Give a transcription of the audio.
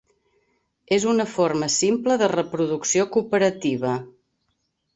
És una forma simple de reproducció cooperativa.